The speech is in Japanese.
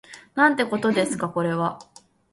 なんてことですかこれは